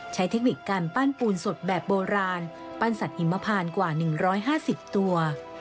เทคนิคการปั้นปูนสดแบบโบราณปั้นสัตวหิมพานกว่า๑๕๐ตัว